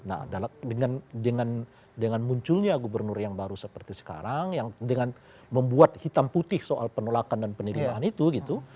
nah dengan munculnya gubernur yang baru seperti sekarang yang dengan membuat hitam putih soal penolakan dan penerimaan itu gitu